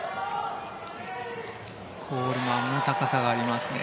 コールマンも高さがありますね。